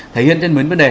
thể hiện trên mấy vấn đề